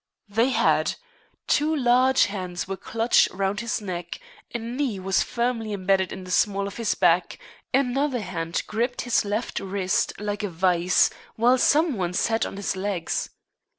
They had. Two large hands were clutched round his neck, a knee was firmly embedded in the small of his back, another hand gripped his left wrist like a vice, while some one sat on his legs.